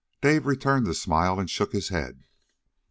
Dave returned the smile and shook his head.